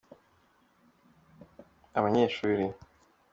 abanyeshuri.